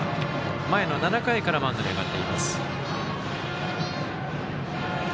前の７回からマウンドに上がっています。